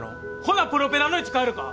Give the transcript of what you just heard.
ほなプロペラの位置変えるか？